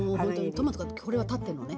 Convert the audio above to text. トマトがこれは立ってんのね？